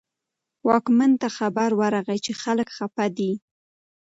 واکمن ته خبر ورغی چې خلک خپه دي.